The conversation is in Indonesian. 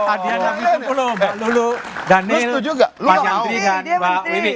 adian pak bintung pak lulu daniel pak yandri dan pak wibi